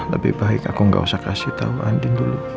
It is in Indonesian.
lebih baik aku gak usah kasih tau andien dulu